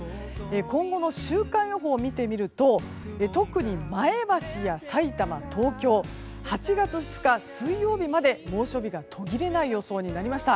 今後の週間予報を見てみると特に、前橋やさいたま、東京８月２日水曜日まで猛暑日が途切れない予想になりました。